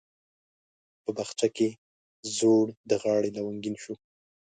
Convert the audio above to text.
په بخچه کې زوړ د غاړي لونګین شو